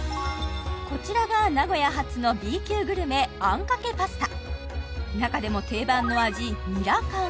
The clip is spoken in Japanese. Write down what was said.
こちらが名古屋発のＢ級グルメあんかけパスタ中でも定番の味ミラカン